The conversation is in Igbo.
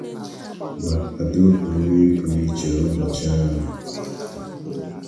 ma kwado oriri pụrụ iche ụbọchị ahụ